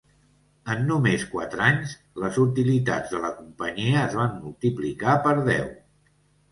En només quatre anys, les utilitats de la companyia es van multiplicar per deu.